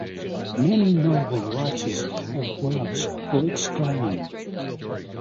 Many notable writers have worked for Exclaim!